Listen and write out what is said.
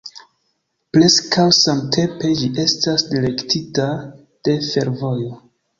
Preskaŭ samtempe ĝi estas direktita de fervojo.